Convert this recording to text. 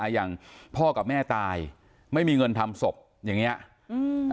อย่างพ่อกับแม่ตายไม่มีเงินทำศพอย่างเงี้ยอืม